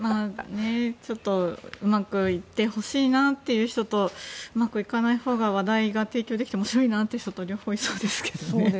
ちょっとうまくいってほしいなという人とうまくいかないほうが話題が提供できて面白いなという人と両方いそうですけどね。